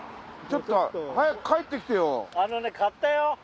ちょっと早く帰ってきてよ！のね買ったよ。